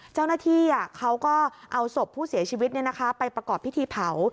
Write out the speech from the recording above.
เจ้าหน้าที่เขาก็เอาศพผู้เสียชีวิตไปประกอบพิธีเผา